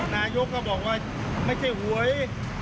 นายกก็บอกว่าไม่ใช่หวย